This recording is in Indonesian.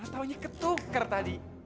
tau nya ketuker tadi